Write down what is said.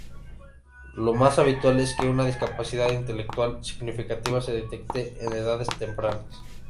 Lo más habitual es que una discapacidad intelectual significativa se detecte en edades tempranas.